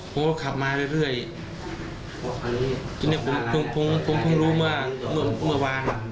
ผมก็ขับมาเรื่อยเรื่อยทีนี้ผมผมผมรู้เมื่อเมื่อวาน